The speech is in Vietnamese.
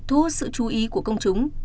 thu hút sự chú ý của công chúng